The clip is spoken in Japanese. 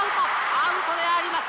アウトであります。